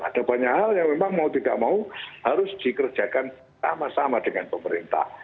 ada banyak hal yang memang mau tidak mau harus dikerjakan sama sama dengan pemerintah